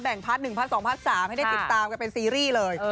พัด๑พัด๒พัด๓ให้ได้ติดตามกันเป็นซีรีส์เลย